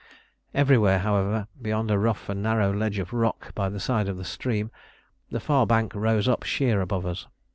Everywhere, however, beyond a rough and narrow ledge of rock by the side of the stream, the far bank rose up sheer above us.